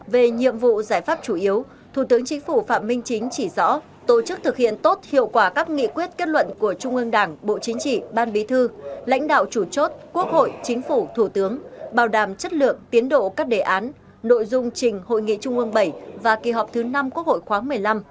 về nhiệm vụ giải pháp chủ yếu thủ tướng chính phủ phạm minh chính chỉ rõ tổ chức thực hiện tốt hiệu quả các nghị quyết kết luận của trung ương đảng bộ chính trị ban bí thư lãnh đạo chủ chốt quốc hội chính phủ thủ tướng bảo đảm chất lượng tiến độ các đề án nội dung trình hội nghị trung ương bảy và kỳ họp thứ năm quốc hội khoáng một mươi năm